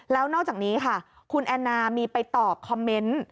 แล้วนอกจากนี้ค่ะคุณแอนนามีไปตอบคอมเมนต์